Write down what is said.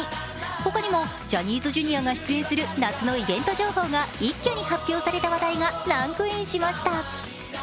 他にもジャニーズＪｒ．が出演する夏のいベント情報が一挙に発表された話題がランクインしました。